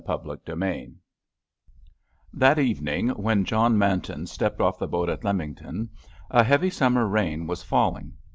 CHAPTER II That evening, when John Manton stepped off the boat at Lymington, a heavy summer rain was falling.